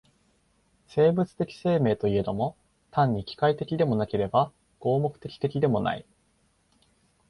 生物的生命といえども、単に機械的でもなければ合目的的でもない。